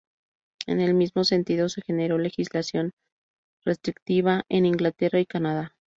En el mismo sentido se generó legislación restrictiva en Inglaterra y Canadá.